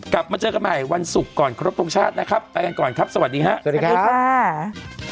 กลับมาเจอกันใหม่วันศุกร์ก่อนครบทรงชาตินะครับไปกันก่อนครับสวัสดีครับสวัสดีครับ